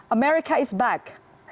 amerika is back